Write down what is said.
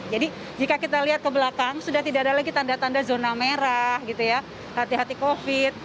jadi jika kita lihat ke belakang sudah tidak ada lagi tanda tanda zona merah hati hati covid sembilan belas